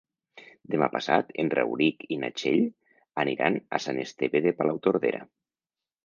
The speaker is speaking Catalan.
Demà passat en Rauric i na Txell aniran a Sant Esteve de Palautordera.